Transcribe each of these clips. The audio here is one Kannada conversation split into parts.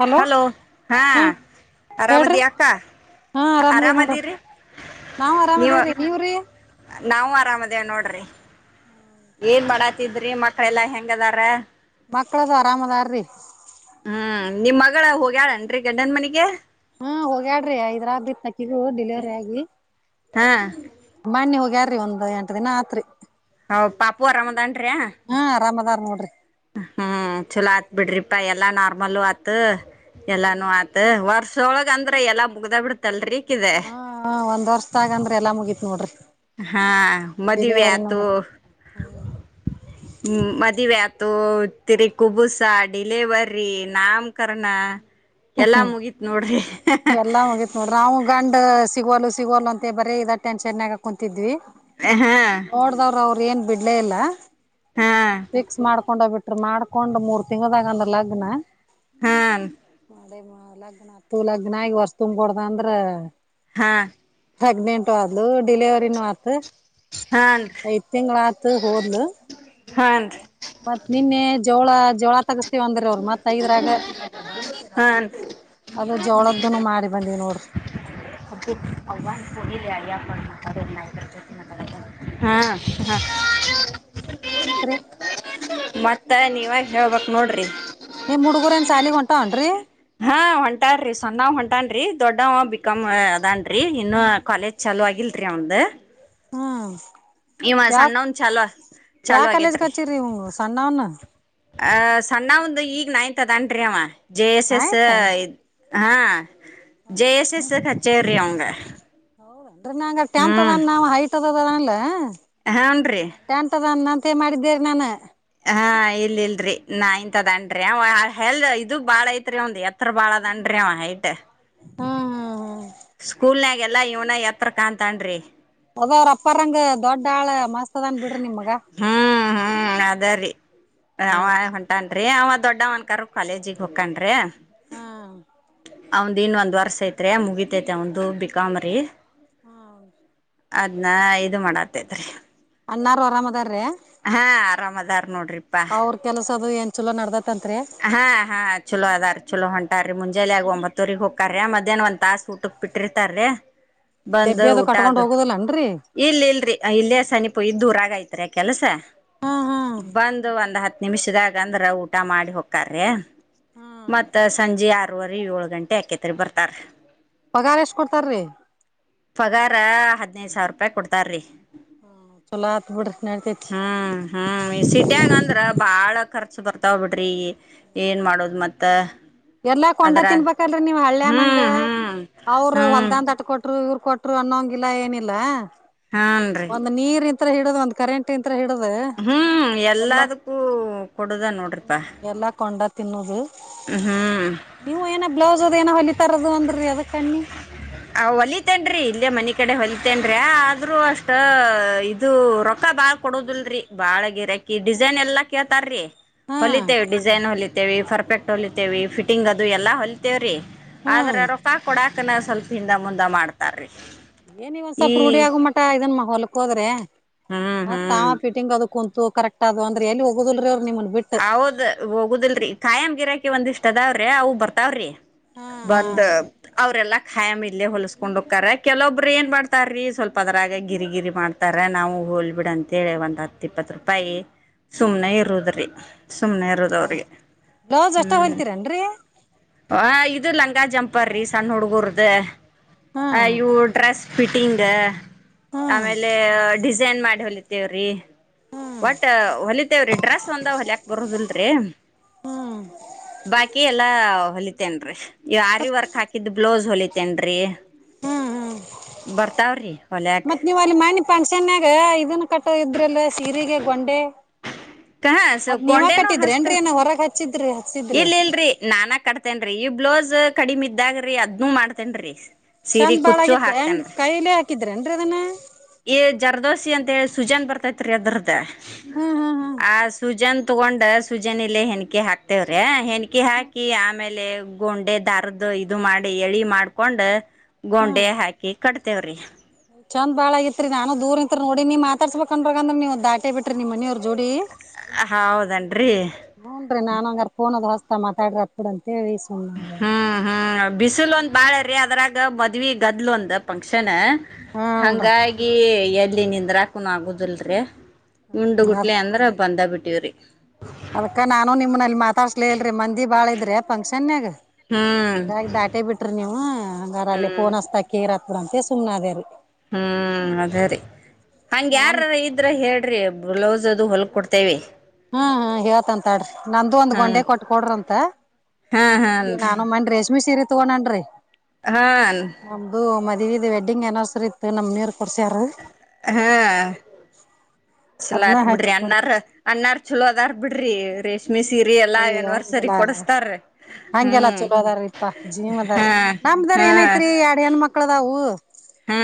ಹಲೋ ಹಾ ಹೇಳ್ರಿ ಆರಾಮದಿ ಅಕ್ಕ ಹಾ ಆರಾಮದೇ ನೋಡ್ರಿ ಆರಾಮದಿರಿ ನಾವು ನೀವು ಆರಾಮದೇವ್ರೀ ನೀವ್ರಿ ನಾವು ಆರಾಮ ಅದೇ ನೋಡ್ರಿ ಏನ್ ಮಾಡಾ ತಿದ್ರಿ ಮಕ್ಕಳ ಎಲ್ಲಾ ಹೆಂಗದಾರ ಮಕ್ಕಳದು ಆರಾಮದಾರೀ ಹ್ಮ್ ನಿಮ್ ಮಗಳ ಹೋಗ್ಯಾಳನ್ ರಿ ಗಂಡನ್ ಮನಿಗೆ ಹಾ ಹೋಗ್ಯಾಡ್ರಿ ಐದ್ರ ಆದ್ದಿ ನಕಿಗ ಡಿಲಿವರಿ ಆಗಿ ಹಾ ಮೋನೀ ಹೋಗ್ಯಾರಿ ಒಂದ್ ಎಂಟ ದಿನ ಆತ್ರಿ ಹೌ ಪಾಪು ಅರಾಮದಾನ್ರಾ ಹಾ ಆರಾಮದಾರ್ ನೋಡ್ರಿ ಹ್ಮ್ ಚಲೋ ಆತ ಬಿಡ್ರಿಪಾ ಎಲ್ಲಾ ನಾರ್ಮಲ್ಲ ಆತ್ ಎಲ್ಲಾನು ಆತ ವರ್ಷ ಸೊಳಗ ಅಂದ್ರ ಎಲ್ಲ ಮುಗ್ದ ಬಿಡತಲ್ರರಿ ಹಾ ಒಂದ್ ವರ್ಷದಾಗಂದ್ರ ಎಲ್ಲಾ ಮುಗೀತ್ ನೋಡ್ರಿ ಹಾ ಮದವಿ ಡಿಲಿವರಿನು ಆತು ಮದವ್ಯಾತು ತಿರಿಗ ಕುಬುಸ ಡಡಿಲೆವರಿ ನಾಮಕಣ ಎಲ್ಲಾ ಮುಗೀತ್ ನೋಡ್ರಿ ಎಲ್ಲಾ ಮುಗಿತ್ ನೋಡ್ರಿ ನಾವು ಗಂಡ್ ಸಿಗೋಲ್ಲು ಸಿಗೋಲ್ ಅಂತೆ ಬರೀ ಇದ ಟೆನ್ಷನ್ ಆಗ ಕುೂಂತಿದ್ವಿ ಹಾ ನೋಡ್ದಾವ್ರ ಅವ್ರ ಏನ್ ಬಿಡ ಬಿಡಲ್ಲ ಹಾ ಫಿಕ್ಸ್ ಮಾಡ್ಕೊಂಡೋಗ್ಬಿಟ್ಟ ಹ ಮಾಡ್ಕೊಂಡು ಮೂರ್ ತಿಂಗದಾಗಂದ್ರ ಲಗ್ನ ಹಾ ಮ ಅ ನನಾತು ಅಲ್ಲ ನಾಯ ವರ್ಷ ತುಂಬ್ ಕೊಡ್ದ ಅಂದ್ರ ಹಾ ಪ್ರಗ್ನೆಂಟು ಆದ್ಲೂ ಡಿಲಿವರಿನ ಮತ್ ಹಾನ್ ಐದ ತಿಂಗಳ ಆತ ಹೋದ್ಲು ಹಾನ್ ಮತ್ ನಿನ್ನೆ ಜೋಳ ಜೋಳ ತಗ ಅಂದರ ಅವರು ಮತ್ತ ಐದರಾಗ ಹಾನ್ ಅದು ಜೋಳದ [unintelligible] ಹಾ ಹಾ ಮತ್ರಿ ಮತ್ತ ನೀವ ಹೇಳ್ಬೇಕು ನೋಡಿರಿ ನಿಮ್ಮ ಹುಡುಗುರೇನ್ ಸಾಲಿಗ್ ಹೊಂಟಾವ ಏನ್ರಿ ಹಾ ಹೊಂಟಾರಿ ಸಣವ ಹೊಂಟಾನ ದೊಡ್ಡವ ಬಿಕಾಂ ಅದನ್ರಿ ಇನ್ನು ಕಾಲೇಜ್ ಚಾಲೂ ಆಗಿಲ್ರಿ ಅಂಡ್ ಅವನ್ದು ಹು ಇವ ಸಣ್ಣೌನ್ ಚಾಲ ಯಾವ ಚಾಲೂ ಕಾಲೇಜ್ಗೆ ಆಗೇತರಿ ಹಚ್ಚಿರಿ ಇವ್ನು ಸಣ್ಣವ್ನ ಆ ಸಣ್ಣಒಂದು ಈಗ ನೈನ್ತ್ ಅದಾನ್ ರಿ ಅವ ಜೆ ಎಸ್ ಎಸ್ ನೈನ್ತ್ ಹಾ ಜೆ ಎಸ್ ಎಸ್ ಹಚ್ಚೆವ ರಿ ಅವಂಗ [unintelligible] [unintelligible] ಹ್ಮ್ ಹೂನ್ ರೀ ಟೆಂತ್ ಅದಾನ ಅಂತೆ ಮಾಡಿದ್ದೇರಿ ನಾನ ಹಾ ಇಲ್ಲ್ರಿ ನೈನ್ತ್ ಅದಾನ್ರಿ ಹೆಲ್ ಇದ ಬಾಳ ಐತ್ರಿ ಒಂದ್ ಎತ್ರ ಬಾಳದನ ಅವ ಹೈಟ್ ಹೂ ಹೂ ಹೂ ಸ್ಕೂಲ್ನಾಗೆಲ್ಲಾ ಇವ್ನ ಎತ್ರ ಕಾಣಂತಾನ ರಿ ಅದ ಅವ್ರ ಅಪ್ಪರಂಗ ದೊಡ್ಡ ಆಳ ಮ ಹೂ ಹೂ ಅದರಿ ಅವ ಹೊಂಟಾನ್ರೀ ಅವತ್ ದೊಡ್ಡವನ್ಕಾರ ಕಾಲೇಜಿಗೆ ಹೊಕ್ಕನ್ರಿ ಹಾ ಅವಂದ್ ಇನ್ನೊಂದ್ ವರ್ಸ ಐತೀರಿ ಮುಗೀತೈತೆ ಅವಂದು ಬಿಕಾಂ ರಿ ಹೂ ಅದ್ನ ಇದು ಮಾಡತ್ತೈತ್ರಿ ಅಣ್ಣಾರು ಅರಾಮ್ದಾರ್ರೀ ಹಾ ಆರಾಮ್ ಅದರ ಅವ್ರ ಕೆಲಸ ಅದು ಎನ ಚಲೋ ನಡದದ ಹಾ ಹಾ ಚಲೋ ಅದಾರ್ ಚಲೋ ಹಂಟ ಇಟ್ಟಾರೀ ಮುಂಜಾಲೆ ಆಗ ಒಂಬತ್ತವರಿಗೆ ಹೊಕಾರಿ ಮಧ್ಯಾಹ್ನ ಒಂದ ತಾಸ ಊಟಕ್ ಬಿಟ್ಟಿರ್ತಾರೀ ಬಂದು ಡೆಬ್ಬಿ ಊಟ ಕಟ್ಕೊಂಡ್ ಅದು ಹೋಗುದಿಲ್ಲನ್ರರಿ ಇಲ್ಲಿ ಇಲ್ರಿ ಇಲ್ಲೇ ಸನಿಪು ಇದಊರಾಗ ಯತ್ರಿ ಕೆಲಸ ಹಾ ಹಾ ಬಂದು ಒಂದು್ ಹತ್ತು ನಿಮಿಷದಾಗ ಅಂದ್ರೆ ಊಟ ಮಾಡಿ ಹೋಗಕ್ ಕರೀ ಮತ್ತ ಸಂಜೆ ಆರು ಅವರಿ ಏಳು ಗಂಟೆ ಅಕೆತರಿ ಬರ್ತಾರೆ ಪಗಾರ ಎಷ್ಟ ಕೊಡ್ತಾರ್ರಿ ಹದೈದು ಸಾವಿರ ರೂಪಾಯಿ ಕೊಡ್ತರೀ ಚಲೋ ಆತ್ ಬಿಡ್ರಿ ನಡ್ತೇತಿ ಹ್ಮ್ ಹ್ಮ್ ಸಿಟಿಯಾಗ ಅಂದ್ರ ಬಾಳ ಖರ್ಚು ಬರ್ತಾವ್ ಬಿಡ್ರಿ ಏನ್ ಮಾಡೋದು ಮತ್ತ ಎರ್ಲ್ಲಾ ಕೊಂಡ ಅದ್ರಾಗ ತಿನ್ಬೇಕಲ್ೀ ನೀವ್ ಹಳ್ಳ್ಯನಂಗ ಹ್ಮ್ ಹ್ಮ್ ಅವ್ರರು ಹ್ಮ್ ಹೊಲ್ದನ್ ತಟ್ಕೊಟ್ಟ ಕೊಟ್ಟರು ಇವ್ರು ಕೊಟ್ಟರು ಅನ್ನೊಂಗ ಇಿಲ್ಲ ಏನಿಲ್ಲಾ ಹಾನ್ರಿ ಹಿಡದ ಒಂದು ಕರೆಂಟ್ ಇಂತ್ರ ಹಿಡುದ್ ಹ್ಮ್ ಎಲ್ಲಾ ಎಲ್ಲದಕ್ಕೂ ಕೊಡುದ ನೋಡ್ರಿಪಾ ಎಲ್ಲಾ ಕೊಂಡ ತಿನ್ನೋದು ಹ್ಮ ನೀವು ಏನೋ ಬ್ಲೌಸ್ ಅದ ಏನೋ ಹೊಲಿತಾರದು ಅಂದ್ರಿ ಅದ ಕಣ್ಣಿ ಅ್ ಹೊಲಿತೇನ್ೀ ಇಲ್ಲೇ ಮನ ಕಡೆ ಹೊಲಿತೇನ್ರೀ ಆದ್ರೂ ಅಷ್ಟ ಇದು ರೊಕ್ಕ ಬಾಳ್ ಕೊಡೋದಲ್ರರಿ ಬಾಳ ಗಿರಾಕಿ ಡಿಸೈನ್ ಎಲ್ಲಾ ಕೇಳ್ತಾರ್ರೀ ಹಾ ಹೊಲಿತೇವೆ ಡಿಸೈನ್ ಹೊಲಿತ ಪರ್ಫೆಕ್ಟ್ ಹೊಲಿತೇವಿ ಫಿಟಿಂಗ್ ಅದು ಎಲ್ಲ ಹೊಲಿತೇವ್ರೀ ಹ್ಮ್ ಆದ್ರೆ ರೊಕ್ಕ ಕೊಡಾಕನ ಸ್ವಲ್ಪ ಹಿಂದ ಮುಂದ ಮಾಡ್ತಾರೀ ಏನ್ಿವವಸವಪ ರೂಢಿ ಆಗ ಮಟ ಇದನ್ ಮಹೋಲ್ ಕೊ ಹೋದ್ರೆ ಹ್ಮ್ ಮತ್ತ ತಾವ ಹ್ಮ್ ಪಿಟಿಂಗ ಅದ ಕುಂತು ಕರೆಕ್ಟ್ ಅದು ಎಲ್ಲಿ ಹೋಗೋದಲ್ರಿ ಹೌದ್ ಹೋಗುದಲ್ರರಿ ಕಾಯಂ ಗಿರಾಕಿ ಒಂದಿಷ್ಟ ತದಾವ್ರೆ ಅವು ಬರ್ತಾವ್ರಿ ಹಾ ಹಾ ಬಂದ ಅವರೆಲ್ಲ ಹಯಾಮ್ ಇಲ್ಲೇ ಹೊಲಸ್ಕೊಂಡ್ ಹೋಗಕ್ಕಾರ ಕೆಲೊಬ್ರು ಏನ್ ಮಾಡ್ತಾರ್ರೀ ಸ್ವಲ್ಪ ಅದರಾಗ ಗಿರಿ ಗಿರಿ ಮಾಡ್ತಾರ ನಾವು ಹೊೋಲ್ಬಿಡ ಅಂತೇಳಿ ಒಂದ್ ಹತ್ ಇಪ್ಪತ್ತು ರೂಪಾಯಿ ಹಾ ಸುಮ್ನೆ ಇರುದ್ರಿ ಸುಮ್ಮ್ನೆ ಇರೋದು ಅವ್ರಿಗೆ ಬ್ಲೌಸ್ ಅಷ್ಟ ಹ್ಮ್. ಹೊಲ್ತೀರೇನ್ರಿ - ಆ ಇದು ಲಂಗ ಜಂಪರ್ರೀ ಸಣ್ಣ ಹುಡುಗೂರದ., ಹಾ - ಅಯವು ಡ್ರೆಸ್ [unintelligible] ಫಿಟಿಂಗ್, ಹಾ ಹಾ - ಆಮೇಲೆ ಡಿಸೈನ್ ಮಾಡ, - ಹೊಲಿತೇವ್ರೀ ಹಾ ಬಟ್ ಹೊಲಿತೇವ್ರೀ ಡ್ರೆಸ್ ಒಂದ, - ಯಾಕ್ ಬರೋದಲ್ರಿ ಹಾ ಬಾಕಿ ಎಲ್ಲಾ ಹೊಲ. - ತನ್ ರರಿ [inaudible] ಯಾರಿ ವರ್ಕ್ ಹಾಕಿದ್ದ್ ಬ್ಲೌಸ್ ಹೊಲಿತ, - ತನ್ ಹಾ [unintelligible] ಬರ್ತಾವ್ರಿ ಹೊಲ್ಯಕ್. - ಪಫಂಕ್ಷನಾಗ ಇದನ್- ಕಟ್ಟ ಇದ್ರಲ್ಲ ಸಿರಿಗೊಂಡೆ ಹಾ ಸೊ ಅದ್ ನೀವಾಗ ಕೊಂಡೆನು ಕಟ್ಟಿದ್ರಿ ಏನ್ರೀ ಹಚ್ತೇವ್ರಿ ಏನ ಹೊರಗೆ ಹಚ್ಚಿದ್ರಿ ಹಚ್ಚಿದ್ರಿ. ಇಲ್ - ಕಡಿಮ ಇದಾಗ್ರೀ ಅದ್ನು ಮಾ ಡ್ತೇನ್ ರೀ- ಸೀರೆ ಚಂದ್ ಕುಚ್ಚು ಬಾಳಾಗಿತ್ತ ಹೆಂಗ್ ಹಾಕ್ತೇನ್. ಕೈಲೆ ಹಾಕಿದ್ರೇನ್ರಿ ಅದನ್ನ ಈ ಜರ್ದೋಸಿ ಅಂತ ಹೇಳ- ಬರ್ತೈತ್ರಿ ಅದ್ರದೇ. - ಹ್ಮ್ ಹ್ಮ್ ಹ್ಮ್ ಆ ಸುಜನ್ [unintelligible] -ತಗೊಂಡ್ ಸುಜನ ಇಲಿ ಹೆಣಕಿ ಹಾಕ್ತೇವ್ರಿ. - ಹೆಣಕಿ ಹಾಕಿ ಆಮೇಲೆ., - ಗೊಂಡೆ ದಾರ್ದು ಇದು ಮಾಡಿ ಎಳಿ ಮಾಡ್ಕೊಂಡ., - ಗೋಂಡೆಯ ಹಾಕಿ. - ಕಟ್ತೇವ್ರೀ., ಚಂದಬಾಳಗಿತ್ರಿ ನಾನು ದೂರ್ ಇಂತತ್ ನೋಡಿ ನೀನ್ ಮಾತಾಡ್ಸ್ಬೇಕ. ಅಂದ್ರ ಅಂದ್ರೆ ನೀವು್ ದಾಟೆ ಬಿ್ರಿ ನಿ ಮನವ್ರ ಜೋಡಿ. - ಹೌದೇನರಿ ನಾನ್ ಹೂನ್ರಿ ಹಂಗರ್ [unintelligible] ದದು ಹೊಸ್ತಾಡ್ರಿತ್ ಬಿಡ ಅಂತ ಹ್ಮ್ ಹ್ಮ್ ಬಿಸಿಲು ಒಂದ್ ಬಾಳ್ರೀ ಅದ್ರಾಗ. - ಈಗ ಮದುವಿಗದ್ದಲು ಒಂದ ಫಂಕ್ಷನ್. - ಹೂನ್ರಿ ಹಂಗಾಗಿ ಎ- ಇಲ್ಲಿ ನಿಂದ್ರಾಕನ ಆಗುದಲ್ರರಿ. - ಉಂಡು ಅದ್ ಗುಟ್ಲೆ ಅಂದ್ರ ಬಂದ ಬಿಟ್ಟು. - ೂರಿ [inaudible] ಅದಕ್ಕ ನಾನು ನಿಮ್ನಲ್ಲಿ ಮಾತಾಡ್ಸ್ಲಿ ಇಲ್ರಿ ಮಂದಿ ಬಾಳ ಇದ್ರೆ ಫಂಕ್ಷನಾಗ. ಹ್ಮ್ - ಬಾಗ ದಾಟೆ ಬಿಟ್ರಿ ನೀವು ಹಂಗಾರ ಅಲ್ಲಿ ಹ್ಮ್ ಪೋನ್ ಹಸ್ತ ಕೇರ್ತ್ತ. - ಇಡಂತೇ ಸುಮ್ಮ್ಾದರಿ. ಹ್ಮ್ ಅದೇ ರರಿ ಹಂಗ ನಾನ್ ಯಾರಾರ ಇದ್ರ ಹೇಳ್ರಿ ಒಬ್ಬ. ಬ್ಲೌಸ್ ಅದು ಹೊಲ್ ಕೊಡ್ತೇವಿ. ಹ್ಮ ಹ್ಮ ಹೇವತ್ ಅಂತಾಡ್ರಿ ನಂದು ಒಂದ್ ಹಾ ಗೊಂಡೆ ಕೊಟ್ಕ ಕೊಡ್ರಂತ ಹಾ ನಾನು ಮಿ ರೇಷ್ಮೆ ಸೀರಿ. ತಗೊಂಡನ್ರಿ. ಹಾ. ಇ ವಡ್ಡಿಂಗ್ ಅನಿವರ್ಸರಿ ಇತ್ತು ನಮ್ಮ್ ನೀರ್. ಕೊಡ್ಸ್ಯಾರ ಹಾ. ಚಲ ಅದ್ನ ಆತ್ ಬಿಡ್ರಿ ಹಚ್ಚಿ ಕೊಡುದ ಅನ್ನಾರ್ ಅನ್ನಾರ್ ಚಛಲೋ ಅದಾರ್. ಬಿಡ್ರಿ ರೇ. ಯ ಹಂಗೆಲ್ಲ ಹಂಗೆಲ್ಲ ಹ್ಮ್ ಚಲೋ ಅದಾರ ಇಪ್ಪ ಜೀವದಾರ್ ಹಾ ನಮ್ದಾರ ಹಾ ಏನೈತ್ರಿ ಎಡು ಹೆಣ ಮಕ್ಳದವು ಹಾ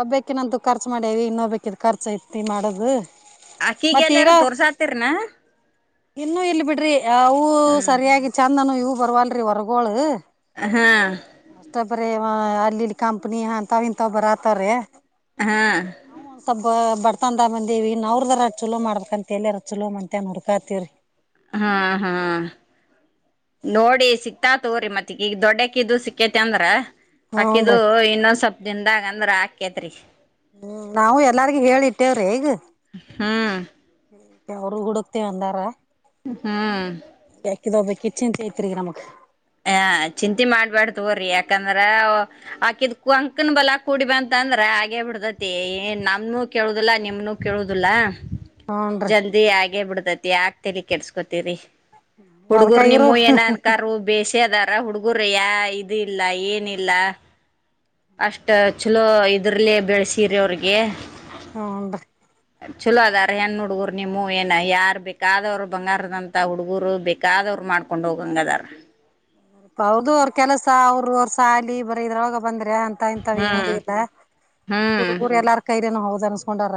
ಒಬ್ಬ. ಕಿನಂತು ಖರ್ಚ ಮಾಡ್ಯವಿ ಇನ್ನೋ್ೇಕಿದ್ ಖರ್ಚ ಐತಿ ಮಾಡೋದು. ಅಕೀಗೆಲ್ಲಾರು ತೋರ್ಸಾತಿರನ. ಎಲ್ಲೋ ಎಲ್ಲಿ ಬಿ. ್ರೇ. ಅವು ಸರಿಯಾಗಿ ಚ. ಇ ನಾನ ಇವು ಬರ್ವಲ್ರಿ ಹೊರ್ಗಳ. ಹಾ ಅಷ್ಟೊಬ್ರ ಅಲ್ಲಿ ಇಲ್ಲಿ ಕಂಪ್ನಿ ಅಂತ ಇಂತವ ಬರಾತಾರ ಹಾ ಹ ಸ ಬರ್ತಂದ ಬಂದಿವವಿ ನವ್ರದರ ಚಲೋ ಮಾಡ್ಬೇಕಕ್ ಅಂತ ಹೇಳರ ಚಲೋ ಮಂತನ್ ಹುಡ್ಕಾತವ್ರಿ ಹಾ ಹಾ ನೋಡಿ ಸಿಕ್ತಾ ತೋ್ರರಿ ಮತ್ತ ಈಗ ದೊಡ್ಡಕ್ಕಿದು ಸಿಕ್ಕೇತಿ ಅಂದ್ರ ಹಾಕಿದು ಹೂನ್ರಿ ಇನ್ನೊಂದು ಸ್ವಲ್ಪ ದಿನದಾಗ ಅಂದ್ರ ಹಾಕೇತ್ರಿ. ಹ್ಮ್ ನಾವವು ಎಲ್ಲಾರ್ಗ ಹೇಳಿ ಇಟ್ಟೇವ್ರ ಈಗ ಹ್ಮ್ ಯಾವ್ರ ಹುಡುಕ್ತಿವ ಅಂದಾರ ಹ್ಮ್ ಇಬ ಕಿಚನ್ ಚೇತ ನಮಕ್ ಆ ಚಿಂತಿ ಮಾಡ್ಬ್ಯಾಡ್ತವ್ರಿ ಯಾಕಂದ್ರ ಆಕಿದ್ ಕುಂಕನ್ ಬಲ ಕೂಡಿಬ ಅಂತ ಅಂದ್ರ ಆಗೇ ಬಿಡತತಿ ನಮನುೂ ಕೇಳುದಿಲ್ಲಾ ನಿಮ್ನುೂ ಕೇಳುದಿಲ್ಲಾ ಹೂನ್ರಿ ಜಲ್ದಿ ಆಗೆ ಬಿಡ್ತತಿ ಯಾಕ ತೆರಿಗೆ ಕೆಿಸಸ್ಕೋತರಿ ಅದ್ಕ ಹುಡ್ಗರು ಇರು ನಿಮ್ಮ ಏನ ಅನ್ಕಾರ ಾರ ಹುಡುಗುರಯ ಇದ ಇಲ್ಲ ಏನಿಲ್ಲ ಅಷ್ಟ ಚಲೋ ಇದ್ರಲೆೇ ಬೆಳ್ಸಿರಿಿ ಅವ್ರಿಗೆ ಹ್ಮಂತ ಚಲೋ ಅದಾರ ಹೆನ್ ಹುಡ್ಗರು ನಿಮ್ಮ ಏನ ಯಾರ ಬೇಕಾದವರು ಬಂಗಾರದಂತ ಹುಡ್ಗರು ಬೇಕಾದವರು ಮಾಡ್ಕೊಂಡ್ ಹೋಗಂಗ ಅದಾರ. ಅವೌದು ಅವ್ರ ಕೆಲಸ ಅವ್ರರು ಅವ್ರ ಸಾಲಿ ಬರ ಇದ್ರವಾಗ ಬಂದ್ರ ಅಂತ ಇಂತವ ಏನಿದ ಹ್ಮ್ ಇಲ್ಲ ಹ್ಮ್ ಹುಡುಗರು ಎಲ್ಲಾರ ಕೈರಿೇನು ಹೋ ಅನ್ಸ್ಕೊಂಡಾರ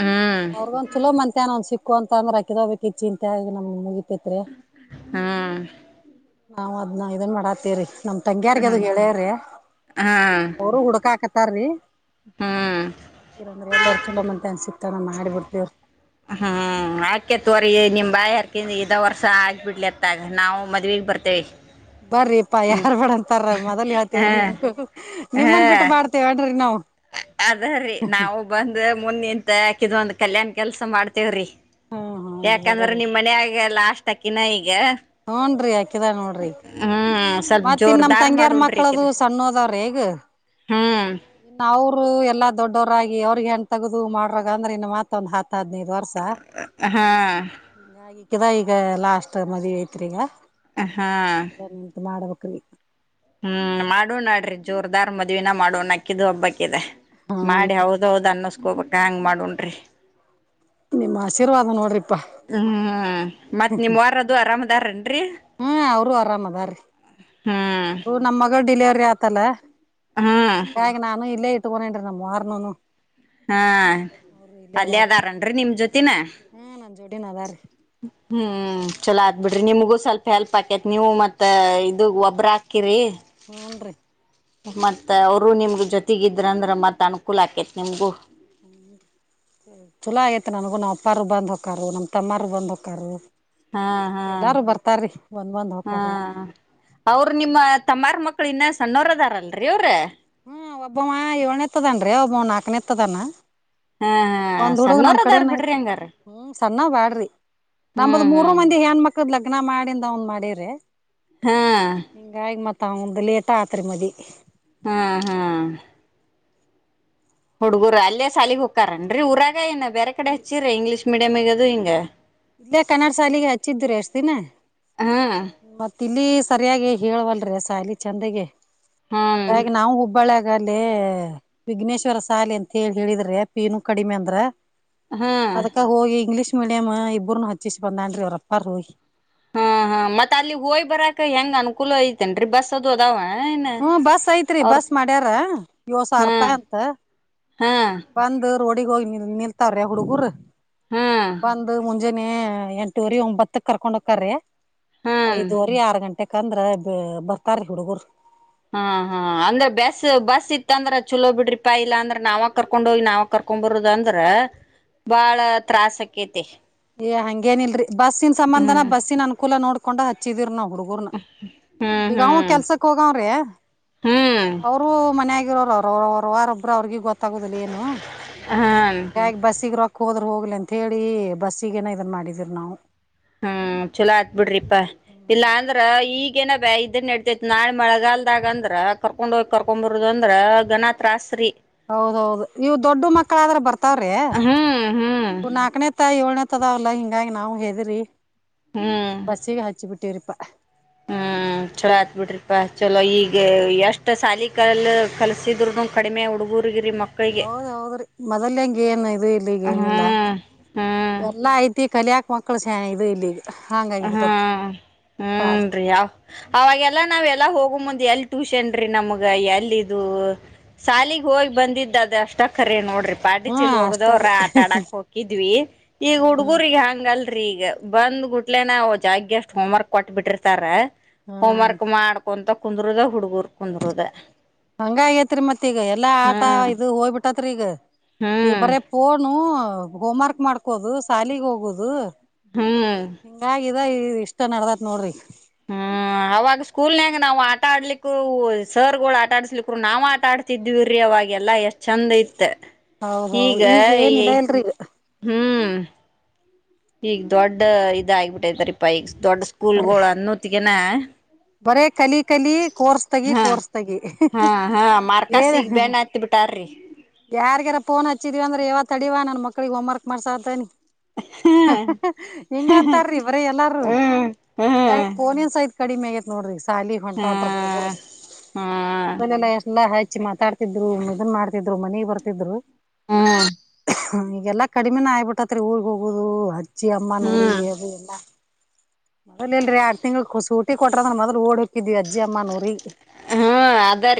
ಹ್ಮ್ ಅವ್ರಗ ಒಂದ್ ಚಲೋ ಮಂತಾನೊಂದ್ ಸಿಕ್ ು ಅಂದ್ರೆಾಕಿ ಹೋಗಬೇಕಕ್ ಈ ಚಿಂತೆಗ ನ ಮುಗ ಹ್ಮ್ ನಾವ್ ಅದ್ನ ಇದನ್ ಮಾಡತ್ತೀರಿ ನಮ ತಂಗಿಯಾರ್ಗ ಅದು ಹ್ಮ್ ಹೇಳ್ಯವ್ರಿ ಹ್ಮ್ ಅವರು ಹುಡ್ಕ ಹಾಕತಾರಿ ಹ್ಮ್ ಎಲ್ಲಾರ ಚಲೋ ಮನ್ತ್ಯಾನ ಸಿಕ್ತಾನ ಮಾಡಿ ಬಿಡ್ತೇವ್ರಿ ಹ್ಮ್ ಆಕೆ ತೋರಿ ನಿಮ್ ಬಾಯರ್ಕ ಯಾಕಂದ ಇದದು ವರ್ಷ ಆಗಿಬ ಬಿಡ್ಲಿ ಅತ್ತಾಗ ನಾವು ಮದುವೆಗೆ ಬರ್ತೇವಿ ಬರ್ರಿಪ್ಪಾ ಹ್ಮ್ ಯಾರ್ ಬೇಡ ಅಂತಾರರ ಮೊದಲ್ ಹೇಳ್ತೇವ್ರ ಹಾ ನಿಮ್ು ನಿಮ್ಮನ್ ಬಿಟ್ಟ ಮಾಡ್ತೇವನ್್ರಿ ನಾವು ಅದ ರೀ ನಾವು ಬಂದ್ ಮುನ್ನಿಂತಾ ಕಿದ್ಂದ ಕಲ್ಯಾಣ ಕೆಲಸ ಮಾಡ್ತೇವ್ರೀ ಹ್ಮ್ ಹೂನ್ರಿ ಬರ್ರಿ ಯಾಕಂದ್ರೆ ನಿಮ್ ಮನಾಗೆಲ್ಲ ಅಷ್ಟಾಕಿನ ಈಗ ಹೂನ್್ರರಿ ಆಾಕಿದ ನೋಡ್ರಿ ಹ್ಮ್ ಸ್ವಲ್ಪ ಮತ್ತ ಇನ್ ನಮ್ ಜೋರ್ದಾರ್ ತಂಗಿಯಾರ್ ಮಾಡುಣ್ರಿ ಮಕ್ಕಳದು ಇಕಿದ. ಸಣ್ಣದ ರೇಗ ಹ್ಮ್ ಇ ನವು ರು ಎಲ್ಲ ದೊಡ್ಡವರಾಗಿ ಅವ್ರಿಗೆ ಹೆನ್ ತಗದು ಮಾಡ್ರ ಅಂದ್ರ ಇನ್ನು ಮಾತ ಒಂದ್ ಹ ಹತ್ತ ಹದ್ಿನೈದು ವರ್ಷ ಹಾ ಹ ಿದ ಈಗ ಲಾಸ್ಟ್ ಮದುವೆ ಐತ್ರೀ ಈಗ ಹಾ ಇದ ನಿಂತ್ ಮಾಡ್ಬೇಕ್ರಿ ಹ್ಮ್ ಮಾಡೋ ನಡ್ರಿ ಜೋರ್ದಾರ್ ಮದ್ವಿನ ಮಾಡೋಣ ಅಕ್ಕಿದು ಹಬ್ಬಕ್ಕಿದೆ ಹೂನ್ ಮಾಡಿ ಹೌದೌದು ಅನ್ನ ಹೋಗಬಕ್ ಹ್ಯಾಂಗ್ ಮಾಡನ್್ರಿ ನಿಮ್ ಆಶೀರ್ವಾದ ನೋಡ್ರಿಪಾ ಹ್ಮ್ ಮತ್ ನಿಮ್ ವಾರದು ಆರಾಮ ರ ತ್ರೇ ಅರಾಮದ ರೀ ಹ್ಮ್ ಡಿಲಿವರಿ ಆತಲ್ಲ ಹ್ಮ್ ಹಾಗ ನಾನು ಇಲ್ಲೇ ಇರ್ತೀನಿ ರ ನ ಅವಾರಣ ಹಾ ಅಲ್ಲದಾರನ್ರಿ ನಿಮ್ ಜೊತಿನ ಹ್ಮ್ ನನ್ ಜೋಡಿನ ಅದಾರ್ರಿ ಹ್ಮ್ ಚಲೋ ಆದ್ಬಿಡ್ರಿ ನಿಮಗೂ ಸ್ವಲ್ಪ ಹೆಲ್ಪ್ ಆಕೆತ್ ನೀವು ಮತ್ತ ಇದು ಒಬ್ಬ್ರ ಹಾಕಿರಿ ಹೂನ್ರಿ ಮತ್ತ ಅವರು ನಿಮ್ಗ ಜೊತೆಗ ಇದ್ರ ಅಂದ್ರ ಮತ್ ಅನುಕೂಲ ಆಕೇತಿ ನಿಮಗು ಹ್ಮ ಚಲೋ ಆಯತ್ ನನಗೂ ನಾವ್ ಅಪ್ಪಾರರು ಬಂದ್ ಹೊಕ್ಕಾರರು ನಮ್ ತಮ್ಮಾರ ಬಂದ್ ಹೊಕ್ಕರು ಹಾ ಹಾ ಬಂದ್ ಬಂದ್ ಹಾ ಹೊಕ್ಕಾರ ಅವರು ನಿಮ್ಮ ತಮ್ಮಾರ್ ಮಕ್ಕಳು ಇನ್ನ ಸ್ವಲ್ಪ ಸಣ್ಣೋರದಾರಲ್ರಿ ಅವರ ಹ್ಮ್ ಒಬ್ಬಮ್ಮ ಏಳನನೆತ್ತದನ್ರೀ ಒಬ್ಬ ನಾಕನೇ ಎತ್ತದಾನ ಹಾ ಹಾ ಒಂದ್ ಹುಡುಗ ನಮ್ ಸಣ್ಣೋರ್ ಅದಾರ್ ಕಡೆನ್ ಬಿಡ್ರಿ ಆಯ್ತು ಹಂಗಾರ ಹ್ಮ ಸಣ್ಣವ ಬಾಳರೀ ನಂಬದ ಹ್ಮ್ ಮೂರ ಹ್ಮ್ ಮಂದಿ ಹೆಏನ್ ಮಕ್ಳದ ಲಗ್ನ ಮಾಡಿಂದ ಅವಂದ್ ಮಾಡಿ ಅಳ್ಳೇರೆ ಹಾ ತ ಲೇಟ ಆತ್ರಿ ಮದವಿ ಹ್ಮ್ ಹ್ಮ್ ಹುಡುಗುರ ಅಲ್ಲೇ ಸಾಲಗ್ ಹೋಗಕ್ಕಾರೇನ್ರರಿ ಊರಾಗ ಏನ ಬ್ಯಾರೆ ಕಡೆ ಇಂಗ್ಲಿಷ್ ಮೀಡಿಯಂ ಮಿಡಮಗದು ಹಿಂಗೆ ಇಲ್ಲೇ ಕನ್ನಡಸಾಲಿಗೆ ಹಚ್ಚಿದರು ಎಷ್ಟತಿನ ಹಾ ಮತ್ತ ತಿಲ್ಲಿ ಸರಿಯಾಗಿ ಹೇಳವಲ್ರರಿ ಸಾಯಲಿ ಚಂದಗೆ ಹ್ಮ್ ಹಾಗಾಗಿ ನಾವು ಹುಬ್ಬಳ್ಯಗ ಈ ಅಲ್ಲಿೇ ವಿಘ್ನೇಶ್ವರ ಶಾಲೆ ಅಂತ ಹೇಳಿ ಹೇಳಿದ್ರೆ ಪಿನು ಕಡಿಮೆ ಅಂದ್ರ ಹ್ಮ್ ಅದಕ್ಕಾಗ ಹೋಗಿ ಇಂಗ್ಲೀಷ್ ಮೀಡಿಯಂ ಇಬ್ರುನು ಹಚ್ಚಿಸಿ ಬಂದಾನ್ರಿ ಅವ್ರಪ್ಪಾ ರ ಹಾ ಹಾ ಮತ್ತತ್ ಅಲ್ಲಿ ಹೋಯ್ ಬರಾಕ ಹೆಂಗ್ ಅನುಕೂಲ ಐತೆೇನ್ರಿ ಬಸ್ ಅದು ಅದಾವ ಏನ್ ಹ್ಮ ಬಸ್ ಐತ್ರಿ ಅವ್ರ ಬಸ್ ಮಾಡ್ಯಾರ ಎಳೆ ಸಾವಿರ ಹಾ ರೂಪಾಯಿ ಪ ಅಂತ ಹಾ ರೋಡಿಗ ಹೋಗಿ ನಿ ನಿಲ್ತಾರ್ರೆ ಹುಡುಗರು ಹಾ ಬಂದ ಹು ಜನ ಎಂಟೂವರಿ ಒಂಬತ್ತಕ್ ಕರ್ಕೊಂಡ್ ಹೋಕ್ಕಾರ್ರಿ ಹಾ ಐದುವರೆ ಆರು ಗಂಟೆಕ ಯಾಕಂದ್ರ ಬರ್ತಾರ ಹುಡುಗರು ಹಾ ಹಾ ಅಂದ್ರೆ ಬಸ್ ಬಸ್ ಇತ್ತು ಇತ್ತಂದ್ರ ಚಲೋ ಬಿಡ್ರಿ ಪಾ ಇಲ್ಲ ಅಂದ್ರ ನಾವ ಕರ್ಕೊಂಡ್ ಹೋಗಿ ನಾವ ಕರ್ಕೊಂಡ್ ಬರದ ಅಂದ್ರ ಬಾಳ ತ್ರಾಸಸ್ ಆಕೈತಿ ಏ ಹಂಗೇನ ಇಲ್ರರಿ ಬಸ್ಸಿನ ಸಂಬಂಧನ ಹ್ಮ್ ಬಸ್ಸಿನ ಅನುಕೂಲ ನೋಡ್. ಕೊಂಡ ಹಚ್ಚಚ ತೀರ್ೋ. ಹುಡುಗರ್ನ ಹ್ಮ್ ಈಗ ಅವ ಹ್ಮ್ ಕೆಲ್ಸಕ್ ಹೋಗವ್ರೀ. ಹ್ಮ್ ಅವರು ಮನೆ ಆಗಿರೋ ಅವರು. ವಾರ ಒಬ್ಬ ಅವರಿಗೆಿಗೆ ಗೊ. ತಗುದಿಲ್ಲ ಏನು ಹ್ಮ ಗ ಬಸ್ಸಿಗೆ ರೊ. ಹೋದ್ರ ಹೋಗ್ಲಿ ಅಂತ ಹೇಳಿ ಬಸ್ಸಗೇನ ಇದನ್ ಮಾಡಿದರಿ ನಾವು. ಹ್ಮ್ ಚಲೋ ಆತ್ ಬಿಡ್ರಿಪಾ ಇಲ್ಲ ಅಂದ್ರ ಈಗ. ಈಗೇನ ಬ ಇದನ್ ನಡ್ತೇತ್ತು ನಾಳೆ ಮಳೆಗಾಲದಾಗ ಅಂದ್ರ. ಕರ್ಕೊಂಡ್ ಹೋಗಿ ಕರ್ಕೊಂಡ್ ಬರದು ಅಂದ್ರ ಘನತ್ರಾಸ್ತ್ರಿ. ಹೌದೌದು ಇವು ದೊಡ್ಡ ಮಕ್ಕಳಾದ್ರ ಬರ್ತಾವ್ರಿ ಹ್ಮ್ ಹ್ಮ್ ನಾಕನೇ ತ ಏಳ್ನೇ. ಇರ್ತದಾವಲ್ಲಾ ಹಿಂಗಾಗಿ ನಾವ್ ಹದ್ರಿ. ಹ್ಮ್ ಬಸಿಗೆಿಗೆ ಹಚ್ಚು ಬಿಟ್ಟರ್ಪ. ಹ್ಮ್ ಚಲೋ ಆತ್ ಬಿಿಡ್ರಿಪಾ ಚಲೋ ಈಗ ಎಷ್ಟ. ಸಾಲಿ ಕಲ್ ಕಲಸಿದ್ರುನು ಕಡಿಮೆ ಹುಡುಗುರು. ಹೌದ್ ಹೌದ್ರಿ ಮೊದಲ್ ಹೆಂಗ ಏನ್ ಇದು ಇಲ್ಲಿ ಈಗ ಏನಿಲ್ಲ ಹ್ಮ್ ಹ್ಮ್ ಎಲ್ಲಾ ಐತಿ ಕಲಿಯಕ್. ಮಕ್ಕಳ ಚಾನ ಇದು ಇಲ್ಲಿ. ಹ್ಮ್ ಕಾಲ್ ಹ್ಮ ರೀ ಅವಾಗೆಲ್ಲ ನಾವ್ೆಲ್ಲ ಹೋಗ ಮುಂದೆ. ಎಲ್ ಟ್ಯೂಷನ್ ರೀ ನಮ್ಗ ಎಲ್ಲಿ ಇ ಶಾಲಗ್ ಹೋಗಿ ಬಂದಿದ್ದ ಅದ ಅಷ್ಟಕ್ಕರ ನೋಡ್ರಿ. ಪಾಟಿ ಹಾ ಚೀಲ್ ಅಷ್ಟ ಹೋಗದವ್ರ ರೀ ಆಟ ಆಡಕ್ ಹಕಿದ್ವಿ ಈಗ ಹುಡ್ಗುರ್ಗ ಹಂಗ ಅಲ್. ೀಗ ಬಂದ್ ಗುಟ್ಟ. ಇಟ್ಲೇನ ಜಾಗ್ಗೆಷ್ಟ ಹೋ್ ವರ್ಕ್ ಕೊಟ್ ಬಿಟ್ಟಿರ್ತಾರ. ಹೋಮ್ ಹ್ಮ್ ವರ್ಕ್ ಮಾಡ್ಕೊಂತ. ಕುಂದರುದ ಹುಡುಗೂರು ಕುಂದ್ರರುದ. ಹಂಗ ಆಗೇತ್ರಿ ಮತ್ತ ಈಗ ಎಲ್ಲಾ ಆಟ ಹ್ಮ್ ಇದು ಹೋಗ್ಬಿಟ್ಟತ್ರಿ ಈಗ. ಇ ಹ್ಮ್ ಬರ ಪನು. ಹೌದು ಹೋಮ್ ವರ್ಕ್ ಮಾಡ್ಕೋದು ಶಾಲಿಗೆ ಹೋಗೋುದು. ಹ್ಮ್. ಅ್ ಇಷ್ಟ ನಡದತ್ ನೋಡ್ರಿ. ನಾ್ ಆಟ ಆಡ್ಲಿಕ್ಕೂ ಸರ್ಗಳು ಆಟ ಆಡ್ಸ್ಲಿಕ್ರು ನಾ್ ಆಟ ಆಡ್ತಿದಿವವಿರೀ ಅವಾಗೆಲ್ಲ ಎಷ್ಟ್ ಚಂದ ಇತ್. ಹೌದ್ ಮ ಹೌದ್ ಈಗ ಏನಿಲ್ಲ ಇಲ್ರಿ ಈಗ ಹ್ಮ್. ಹೀಗ್ ದೊಡ್ಡ. ಇ ಆಗ್ಬಿಟ್ಟೈತರಿ ಪ. ದೊಡ್ಡ ಬರ ಸ್ಕೂಲ್ಗಳು ಅನ್ನತ್ಗನ. ಬರೇ ಕಲಿ ಕಲಿ ಕೋರ್ಸ್ ತಗಿ ಹಾ ಕೋರ್ಸ್ ತಗಿ ಹಾ ಹಾ ಮಾರ್ಕಸ್ ಈಗ ಬೆನ್ ಹತ್ತಿ ಬಿಟ್ಟಾರ್ರಿ ಯಾರ್್ಯಾರ ಫೋನ್ ಹಚ್ಚಿದೀ ಅಂದ್ರ ಯಾವ ತಡೀವಾ ನನ್ ಮಕ್ಳಿಗೆ ಹೋಮ್ರ್ಕ್ ಮಾಡಸ್ದಾನಿ ಹ್ಮ್ ಹಿಂಗ ಅಂತಾರೀ ಇವರ ಎಲ್ಲಾರೂ ಹ್ಮ್ ಯ ಹ್ಮ್ ಪೋನನ್ಸ್ ಐತ್ ಕಡಿಮ ಆಗತ್ ನೋಡ್ರಿ ಶಾಲಿ ಹೊಂಟ ಹಾ ಹತ್ರ ಹುಡುಗುರು ಹಾ [unintelligible] ಎ ಹಾ ಮಾತಾಡ್ತಿದ್ರು ಇದನ್ ಮಾಡ್ತಿದ್ರು ರು ಮನೆ ಬರ್ತಿದ್ರು ಹ್ಮ್ ಈಗೆಲ್ಲಾ ಕಡಿಮೆನ ಆಯ್ಬಿಟ್ಟತ್ರಿ ಊರ್ಗ್ ಹೋಗೋುದು ಅಜ್ಜಿ ಅಮ್ಮನ್ ಊರಿಗೆ ಅದು ಎಲ್ಲ ಮೊದ್ಲ್ ಎಲ್ರರಿ ಆರ್ಡ್ ತಿಂಗ್ಳೂಟಿ ಕೊಟ್ರ ಅಂದ್ರೆ ಮೊದ್ಲು ಓಡ್ ಕಿದ ಅಜ್ಜಿಿಯಮ್ಮ ನ್ ಊರಿಗೆ ಹ್ಮ್ ಅದರಿ